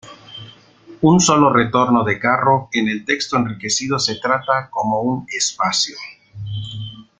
Un sólo retorno de carro en el texto enriquecido se trata como un espacio.